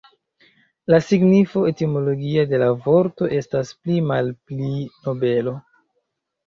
La signifo etimologia de la vorto estas pli malpli "nobelo".